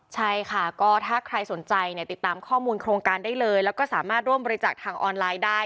ใช่ค่ะก็ถ้าใครสนใจเนี่ยติดตามข้อมูลโครงการได้เลยแล้วก็สามารถร่วมบริจาคทางออนไลน์ได้